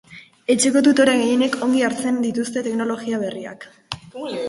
Etxeko tutore gehienek ongi hartzen dituzte teknologia berriak.